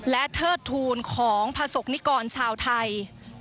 และเทิดทูลของประสบนิกรชาวไทย